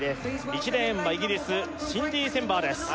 １レーンはイギリスシンディ・センバーです